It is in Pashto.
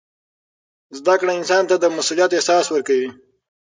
زده کړه انسان ته د مسؤلیت احساس ورکوي.